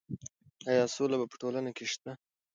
ایا سوله په ټولنه کې شته؟